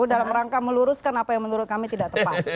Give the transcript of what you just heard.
dalam rangka meluruskan apa yang menurut kami tidak tepat